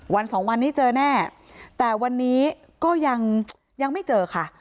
สองวันนี้เจอแน่แต่วันนี้ก็ยังยังไม่เจอค่ะ